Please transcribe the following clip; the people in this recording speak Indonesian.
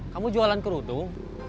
kamu jualan kerudung